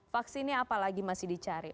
vaksinnya apalagi masih dicari